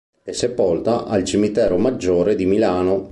È sepolta al Cimitero Maggiore di Milano.